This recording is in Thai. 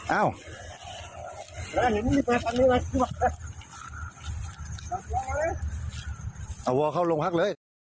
เอาเอาวอเข้าโรงพักเลย